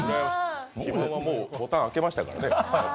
肥満はもう、ボタン開けましたからね。